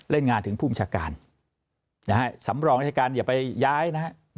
งานถึงภูมิชาการนะฮะสำรองราชการอย่าไปย้ายนะฮะ